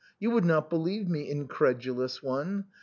You would not believe me, incredulous one.